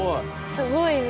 すごい！